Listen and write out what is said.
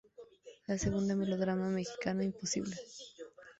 La segunda, melodrama mexicano imposible.